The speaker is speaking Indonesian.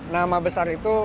nama besar itu